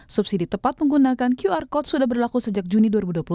subsidi tepat menggunakan qr code sudah berlaku sejak juni dua ribu dua puluh satu